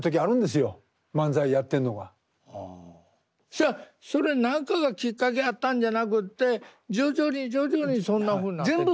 じゃあそれ何かがきっかけやったんじゃなくって徐々に徐々にそんなふうになってった。